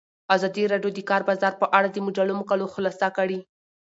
ازادي راډیو د د کار بازار په اړه د مجلو مقالو خلاصه کړې.